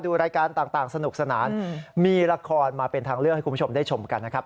ดูรายการต่างสนุกสนานมีละครมาเป็นทางเลือกให้คุณผู้ชมได้ชมกันนะครับ